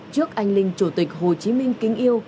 trước anh linh chủ tịch hồ chí minh kính yêu